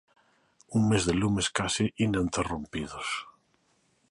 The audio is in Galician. Un mes de lumes case ininterrompidos.